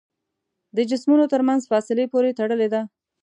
د جسمونو تر منځ فاصلې پورې تړلې ده.